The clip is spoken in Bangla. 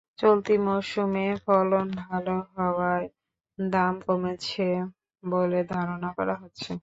চলতি মৌসুমে ফলন ভালো হওয়ায় দাম কমেছে বলে ধারণা করা হচ্ছে।